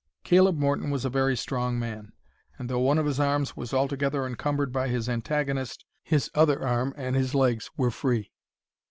Caleb Morton was a very strong man, and though one of his arms was altogether encumbered by his antagonist, his other arm and his legs were free.